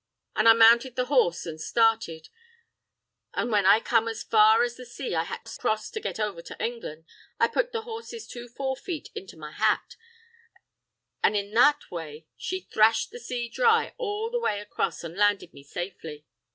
An' I mounted the horse an' started, an' when I come as far as the sea I had to cross to get over to Englan', I put the horse's two forefeet into my hat, an' in that way he thrashed the sea dry all the way across an' landed me safely.